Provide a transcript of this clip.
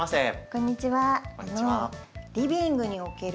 こんにちは。